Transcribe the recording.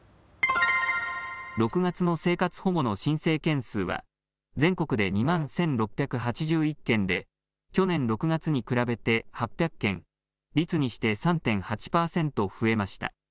６月の生活保護の申請件数は全国で２万１６８１件で去年６月に比べて８００件、率にして３．８％増えました。